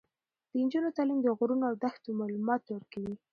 د نجونو تعلیم د غرونو او دښتو معلومات ورکوي.